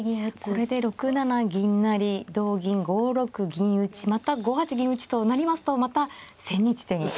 これで６七銀成同銀５六銀打また５八銀打となりますとまた千日手に。